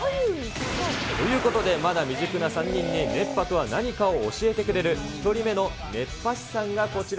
ということで、まだ未熟な３人に、熱波とは何かを教えてくれる１人目の熱波師さんがこちら。